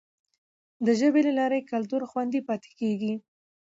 د ژبي له لارې کلتور خوندي پاتې کیږي.